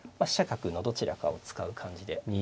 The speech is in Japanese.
飛車角のどちらかを使う感じで。